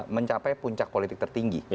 mencapai puncak politik tertinggi